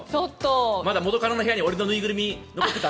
まだ元カノの部屋に俺の縫いぐるみ残ってた。